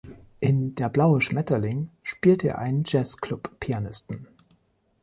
In "Der blaue Schmetterling" spielte er einen Jazz-Club-Pianisten.